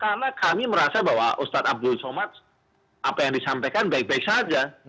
karena kami merasa bahwa ustadz abdul somad apa yang disampaikan baik baik saja